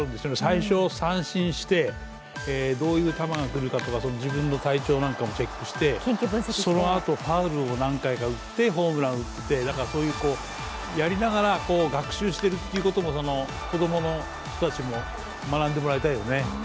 最初三振してどういう球が来るかとか自分の体調なんかも分析して、そのあとファウルを何回か打ってホームランを打って、やりながら学習していることも子供の人たちも学んでもらいたいよね。